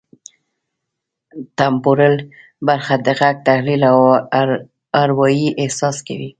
ټمپورل برخه د غږ تحلیل او اروايي احساس کوي